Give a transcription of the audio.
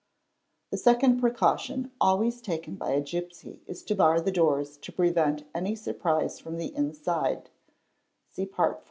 The second precaution always taken by a gipsy is to bar the doors to prevent any surprise from the inside (see Part IV.